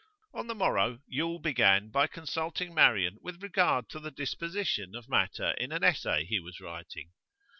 On the morrow Yule began by consulting Marian with regard to the disposition of matter in an essay he was writing.